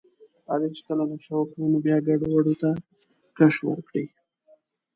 علي چې کله نشه وکړي بیا نو ګډوډو ته کش ورکړي.